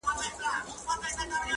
• هغه زه یم هغه ښار هغه به دی وي,